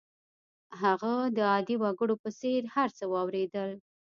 هغه د عادي وګړو په څېر هر څه واورېدل